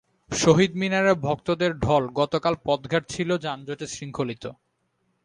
শহীদ মিনারে ভক্তদের ঢল গতকাল পথঘাট ছিল যানজটে শৃঙ্খলিত।